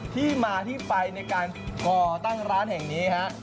ที่มาที่ไปในการก่อตั้งร้านแห่งนี้ฮะ